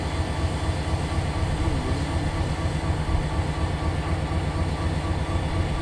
Yé líŋ jíta.